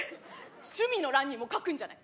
趣味の欄にも書くんじゃない？